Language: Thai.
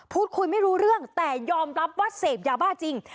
พูดคุยไม่รู้เรื่องแต่ยอมรับว่าเสพยาบ้าจริง